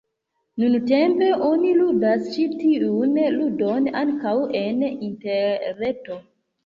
Nuntempe oni ludas ĉi tiun ludon ankaŭ en interreto.